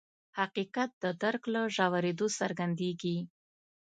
حقیقت د درک له ژورېدو څرګندېږي.